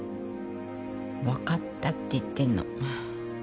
分かったって言ってるの。